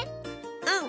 うん！